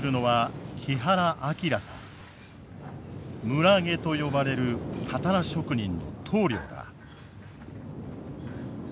村下と呼ばれるたたら職人の頭領だ。